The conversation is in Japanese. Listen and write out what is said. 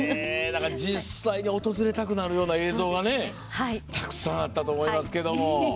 実際に訪れたくなるような映像がたくさんあったと思いますけども。